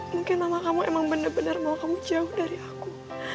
mungkin mama kamu emang benar benar mau kamu jauh dari aku